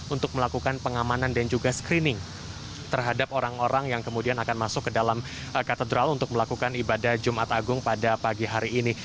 untuk melakukan pengamanan dan juga screening terhadap orang orang yang kemudian akan masuk ke dalam katedral untuk melakukan ibadah jumat agung pada pagi hari ini